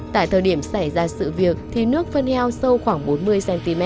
tại thời điểm xảy ra sự việc thì nước phân heo sâu khoảng bốn mươi cm